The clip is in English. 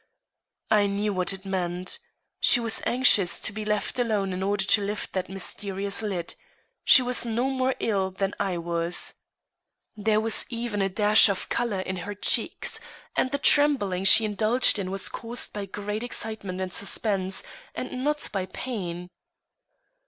I knew what it meant. She was anxious to be left alone in order to lift that mysterious lid. She was no more ill than I was. There was even a dash of color in her cheeks, and the trembling she indulged in was caused by great excitement and suspense, and not by pain.